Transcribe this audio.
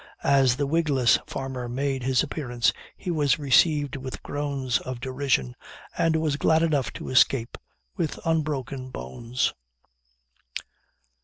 As the wigless farmer made his appearance, he was received with groans of derision, and was glad enough to escape with unbroken bones.